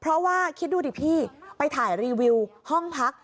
เพราะว่าคิดดูดิพี่ไปถ่ายรีวิวห้องพัก